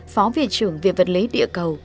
phó viện trưởng viện vật lý địa cầu